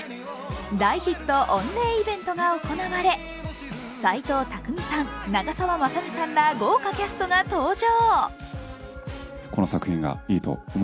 大ヒット御礼イベントが行われ、斎藤工さん、長澤まさみさんら豪華キャストが登場。